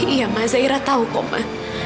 iya ma zairah tau kok ma